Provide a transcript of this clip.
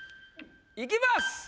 いきます。